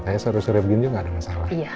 saya serius serius begini juga gak ada masalah